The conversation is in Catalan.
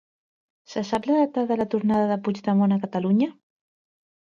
Se sap la data de la tornada de Puigdemont a Catalunya?